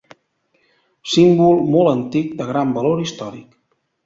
Símbol molt antic de gran valor històric.